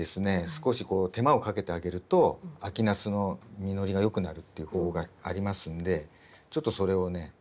少しこう手間をかけてあげると秋ナスの実りがよくなるっていう方法がありますんでちょっとそれをね